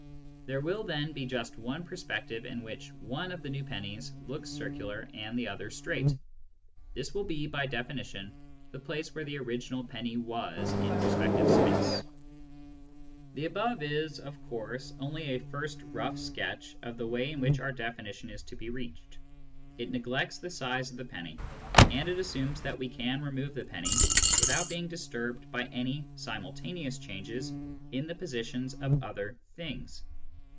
There will then be just one perspective in which one of the new pennies looks circular and the other straight. This will be, by definition, the place where the original penny was in perspective space. The above is, of course, only a first rough sketch of the way in which our definition is to be reached. It neglects the size of the penny, and it assumes that we can remove the penny without being disturbed by any simultaneous changes in the positions of other things.